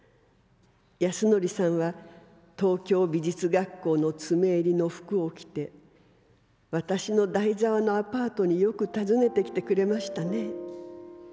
安典さんは東京美術学校の詰襟の服を着て私の代沢のアパートによく訪ねてきてくれましたね。